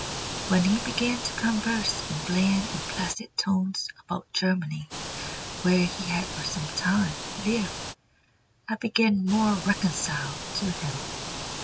When he began to converse in bland and placid tones about Germany, where he had for some time lived, I became more reconciled to him."